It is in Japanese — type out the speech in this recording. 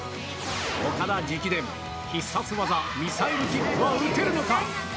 オカダ直伝、必殺技、ミサイルキックは打てるのか？